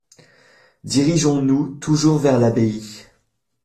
Dirigeons-nous toujours vers l'abbaye.